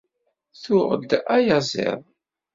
Tuɣ-d ayaziḍ.